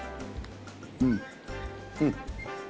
うんうん。